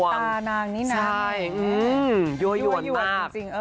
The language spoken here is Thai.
สายตานางนินาใช่ยั่วย่วนมาก